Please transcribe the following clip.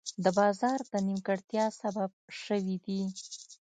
د بازار د نیمګړتیا سبب شوي دي.